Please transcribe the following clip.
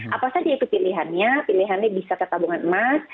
apa saja itu pilihannya pilihannya bisa ketabungan emas